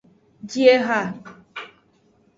Ji eha.